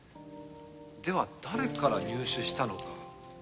では誰から入手したのか。